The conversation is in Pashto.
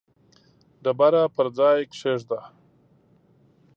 ډبره پر ځای کښېږده.